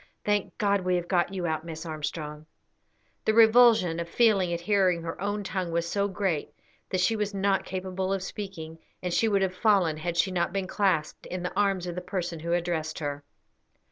"Thank God, we have got you out, Miss Armstrong." The revulsion of feeling at hearing her own tongue was so great that she was not capable of speaking, and she would have fallen had she not been clasped in the arms of the person who addressed her.